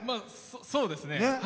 そうですね。